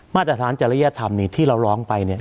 มาตรฐานจริยธรรมเนี่ยที่เราร้องไปเนี่ย